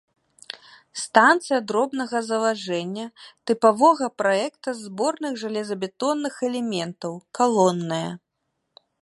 Станцыя дробнага залажэння, тыпавога праекта з зборных жалезабетонных элементаў, калонная.